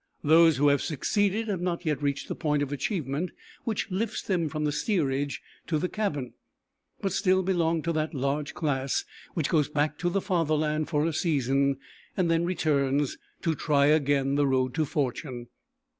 Those who have succeeded have not yet reached the point of achievement which lifts them from the steerage to the cabin, but still belong to that large class which goes back to the Fatherland for a season and then returns, to try again the road to fortune.